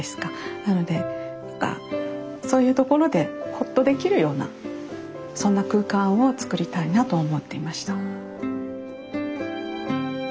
なのでそういうところでホッとできるようなそんな空間を作りたいなと思っていました。